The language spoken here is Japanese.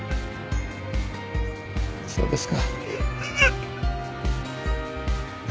そうですか。